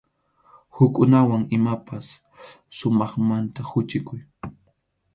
Hukkunawan imapas sumaqmanta quchikuy.